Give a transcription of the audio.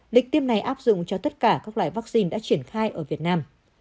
lịch tiêm này áp dụng cho tất cả các loại vaccine đã triển khai ở việt nam